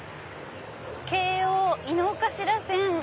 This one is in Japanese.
京王井の頭線。